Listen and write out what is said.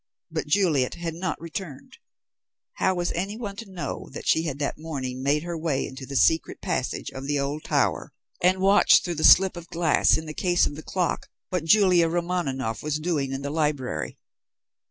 But Juliet had not returned. How was anyone to know that she had that morning made her way into the secret passage of the old tower, and watched through the slip of glass in the case of the clock what Julia Romaninov was doing in the library?